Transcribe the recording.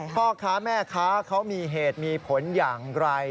พ่อค้าแม่ค้าเขามีเหตุมีผลอย่างไร